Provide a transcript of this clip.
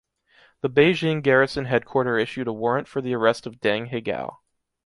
The Beijing Garrison headquarter issued a warrant for the arrest of Deng Hegao.